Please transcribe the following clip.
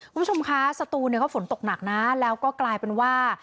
คุณผู้ชมคะสตูฝนตกหนักนะแล้วก็กลายเป็นว่า